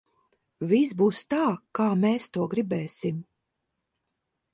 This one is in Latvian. Viss būs tā, kā mēs to gribēsim!